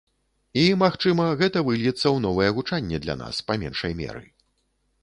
І, магчыма, гэта выльецца ў новае гучанне для нас, па меншай меры.